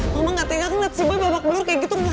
mama gak tegan liat si boy babak belur kayak gitu